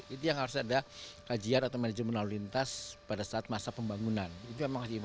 itu yang harus ada kajian atau manajemen lalu lintas pada saat masa pembangunan